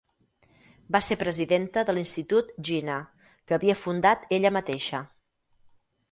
Va ser presidenta de l'Institut Jinnah, que havia fundat ella mateixa.